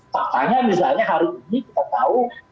tentu saja misalnya hari ini kita tahu